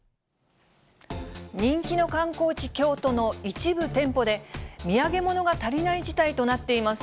人気の観光地、京都の一部店舗で、土産物が足りない事態となっています。